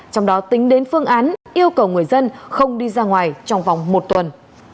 trong đó tính đến phương án yêu cầu người dân không đi ra ngoài trong vòng một tuần